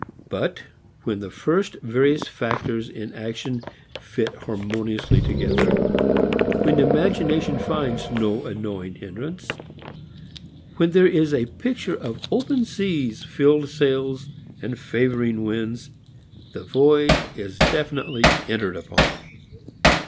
But when the various factors in action fit harmoniously together, when imagination finds no annoying hindrance, when there is a picture of open seas, filled sails and favoring winds, the voyage is definitely entered upon.